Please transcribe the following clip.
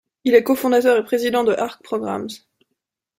Il est co-fondateur et président de Arc Programs.